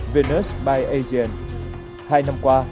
venus biation này nữa